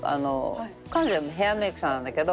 彼女はヘアメイクさんなんだけど。